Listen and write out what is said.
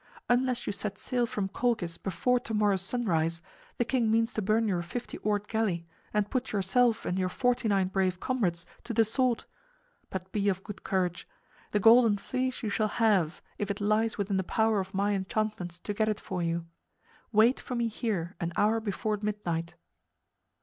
Unless you set sail from Colchis before tomorrow's sunrise, the king means to burn your fifty oared galley and put yourself and your forty nine brave comrades to the sword. But be of good courage. The Golden Fleece you shall have if it lies within the power of my enchantments to get it for you. Wait for me here an hour before midnight."